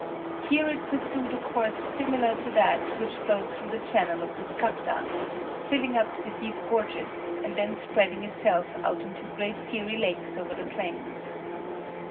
Here it pursued a course similar to that which flowed through the channel of the Skapta, filling up the deep gorges, and then spreading itself out into great fiery lakes over the plains.